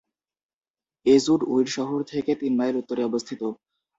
Edgewood উইড শহর থেকে তিন মাইল উত্তরে অবস্থিত।